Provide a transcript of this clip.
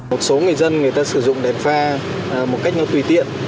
một số người dân người ta sử dụng đèn pha một cách nó tùy tiện